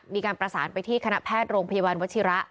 มีการประสานไปที่คณะแพทย์โรงพยาบาลวัชิระ